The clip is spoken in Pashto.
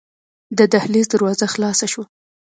د دهلېز دروازه خلاصه شوه.